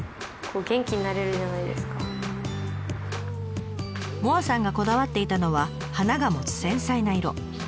萌彩さんがこだわっていたのは花が持つ繊細な色。